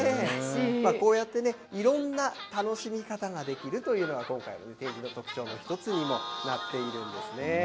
こうやってね、いろんな楽しみ方ができるというのが、今回の展示の特徴の１つにもなっているんですね。